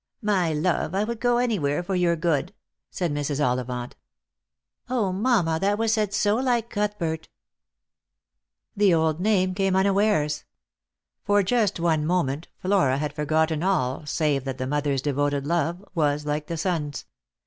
" My love, I would go anywhere for your good," said Mrs. OUivant. " mamma, that was said so like Cuthbert !" The old name came unawares. For just one moment Flora had forgotten all save that the mother's devoted love was like the son's.